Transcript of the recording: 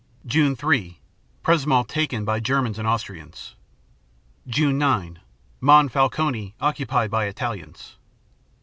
_ June 3 Przemysl retaken by Germans and Austrians. June 9 Monfalcone occupied by Italians.